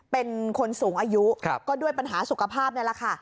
เป็นคนสูงอายุก็ด้วยปัญหาสุขภาพนี่แหละค่ะ